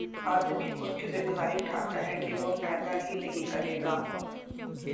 آدمی اس کی ذمہ داری اٹھاتا ہے کہ وہ پیدا ہی نہیں کرے گا